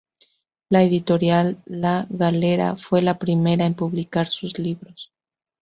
La editorial La Galera fue la primera en publicar sus libros.